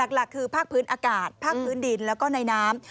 หลักคือภาคพื้นอากาศภาคพื้นดินแล้วก็ในน้ำ